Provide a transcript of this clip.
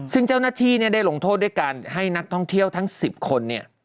ซึ่งเจ้าหน้าที่ได้ลงโทษด้วยการให้นักท่องเที่ยวทั้ง๑๐คน